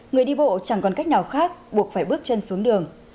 người đi bộ chẳng còn cách nào khác buộc phải bước chân xuống đường